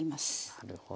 なるほど。